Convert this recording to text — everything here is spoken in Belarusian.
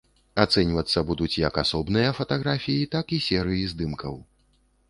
Ацэньвацца будуць як асобныя фатаграфіі, так і серыі здымкаў.